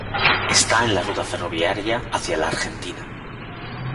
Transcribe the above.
Está en la ruta ferroviaria hacia la Argentina.